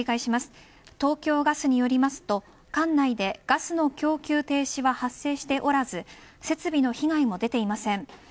東京ガスによると管内でガスの供給停止は発生しておらず設備の被害もありません。